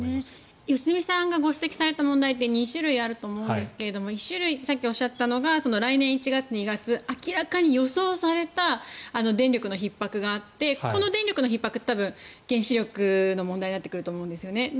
良純さんがご指摘された問題って２種類あると思うんですが１種類、さっきおっしゃったのが来年１月、２月明らかに予想された電力のひっ迫があってこの電力のひっ迫って原子力の問題になってくると思うんですよね。